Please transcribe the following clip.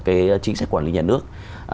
cái chính sách quản lý nhà nước